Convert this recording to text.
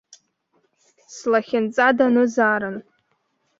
Слахьынҵа данызаарын.